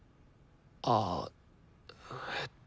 ああえっと。